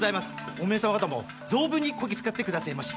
おめえ様方も存分にこき使ってくだせぇまし！